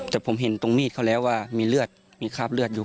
แต่ผมเห็นตรงมีดเขาแล้วว่ามีเลือดมีคราบเลือดอยู่